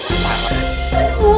emangnya kenapa sih